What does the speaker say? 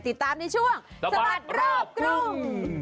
ติดตามในช่วงสวัสดีครับครุ่ม